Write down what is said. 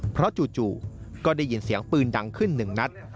เพราะจู่ก็ได้ยินเสียงปืนดังขึ้นหนึ่งนัด